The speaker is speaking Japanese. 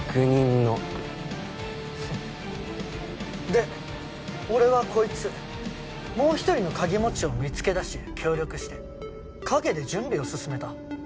で俺はこいつもう一人の鍵持ちを見つけ出し協力して陰で準備を進めた。